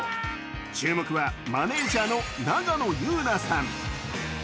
注目はマネージャーの永野悠菜さん。